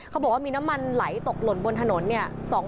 เขาบอกว่ามีน้ำมันไหลตกหล่นบนถนนเนี่ย